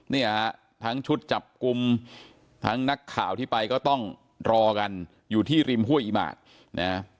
เนี่ยทั้งชุดจับกลุ่มทั้งนักข่าวที่ไปก็ต้องรอกันอยู่ที่ริมห้วยอิหมากนะ